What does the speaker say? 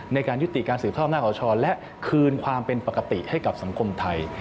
ในการยุติการสืบทอดอำนาจอชและคืนความเป็นปกติให้กับสังคมไทย